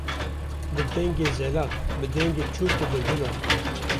bi dengê zelal, bi dengê çûk û bilbilan